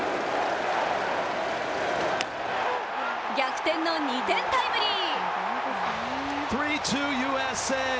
逆転の２点タイムリー。